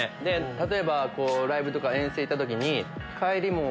例えばライブとか遠征行った時に。